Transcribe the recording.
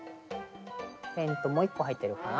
ペンともう一個入ってるかな？